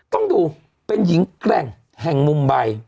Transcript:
ต้องดูเป็นหญิงแกร่งแห่งมุมใบ